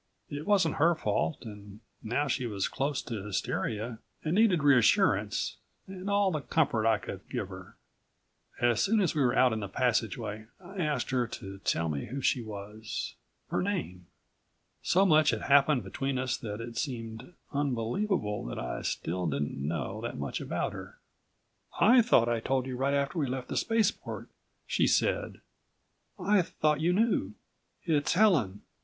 It wasn't her fault and now she was close to hysteria and needed reassurance and all the comfort I could give her. As soon as we were out in the passageway I asked her to tell me who she was. Her name. So much had happened between us that it seemed unbelievable that I still didn't know that much about her. "I thought I told you right after we left the spaceport," she said. "I thought you knew. It's Helen